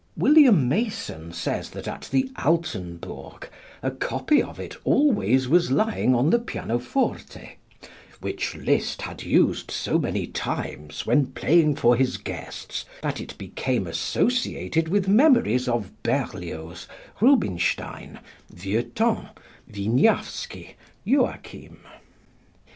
William Mason says that at the Altenburg a copy of it always was lying on the pianoforte, "which Liszt had used so many times when playing for his guests that it became associated with memories of Berlioz, Rubinstein, Vieuxtemps, Wieniawski, Joachim."